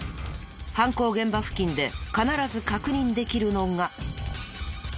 犯行現場付近で必ず確認できるのが。